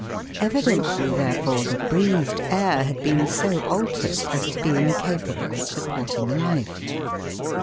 Evidently, therefore, the breathed air had been so altered as to be incapable of supporting life.